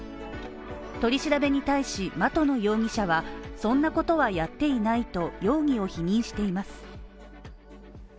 取り調べに対し的野容疑者はそんなことはやっていないと容疑を否認しています。